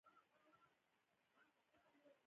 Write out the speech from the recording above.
پروژې لرو او د خلکو خدمت د ځان ویاړ بولو.